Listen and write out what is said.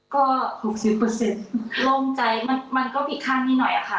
ก็๖๐เปอร์เซ็นต์โล่งใจมันก็ผิดข้างนี้หน่อยค่ะ